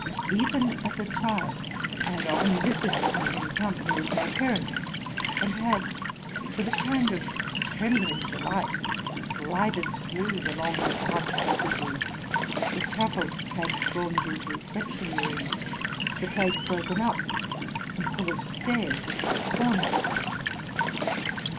Even as a child, I had often veiled him in company with my parents, and had, with a kind of trembling delight, glided through the long, dark passages, the chapels transformed into reception rooms, the place broken up and full of stairs and corners.